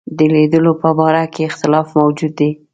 د لیدلو په باره کې اختلاف موجود دی.